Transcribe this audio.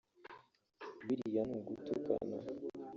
Biriya ni ugutukana